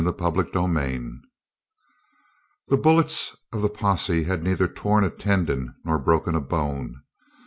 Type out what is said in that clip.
CHAPTER 27 The bullets of the posse had neither torn a tendon nor broken a bone.